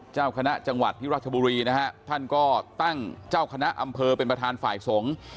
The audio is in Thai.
เจ้าคณะจังหวัดที่รัชบุรีนะฮะท่านก็ตั้งเจ้าคณะอำเภอเป็นประธานฝ่ายสงฆ์